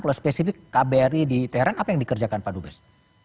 kalau spesifik kbri di teren apa yang dikerjakan pak dubes